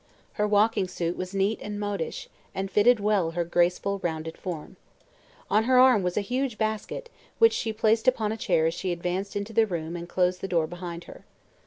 Her walking suit was neat and modish and fitted well her graceful, rounded form. On her arm was a huge basket, which she placed upon a chair as she advanced into the room and closed the door behind her.